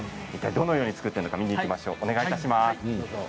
どのように作っているのか見ていきましょう。